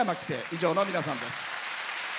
以上の皆さんです。